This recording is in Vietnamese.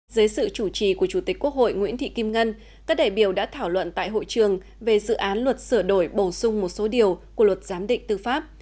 dưới sự chủ trì của chủ tịch quốc hội nguyễn thị kim ngân các đại biểu đã thảo luận tại hội trường về dự án luật sửa đổi bổ sung một số điều của luật giám định tư pháp